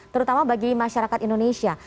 terutama bagi masyarakat indonesia